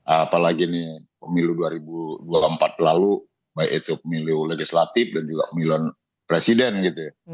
apalagi ini pemilu dua ribu dua puluh empat lalu baik itu pemilu legislatif dan juga pemilihan presiden gitu ya